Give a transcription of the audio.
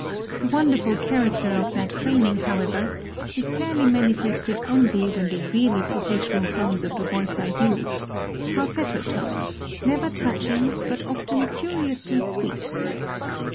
The wonderful character of that train ing, however, is fairly manifested only when the really professional tones of the voice are used, — falsetto tones, never touching, but often curiously sweet.